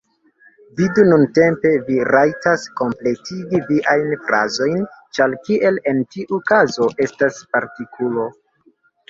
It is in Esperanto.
Vidu, nuntempe vi rajtas kompletigi viajn frazojn, ĉar kiel en tiu kazo estas partikulo.